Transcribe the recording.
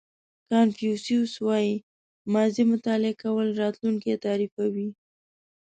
کانفیوسیس وایي ماضي مطالعه کول راتلونکی تعریفوي.